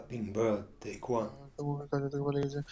একটা মমি খাঁচা থেকে পালিয়ে গেছে!